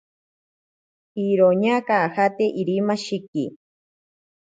Iroñaka ajate Irimashiki.